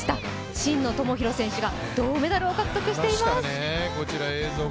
真野友博選手が銅メダルを獲得しています。